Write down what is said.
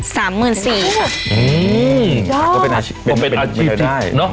ประมาณเท่าไหร่ครับ๓๔๐๐๐บาทครับอืมยอมเป็นอาชีพเป็นอาชีพได้เนอะ